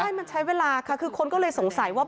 ใช่มันใช้เวลาค่ะคือคนก็เลยสงสัยว่า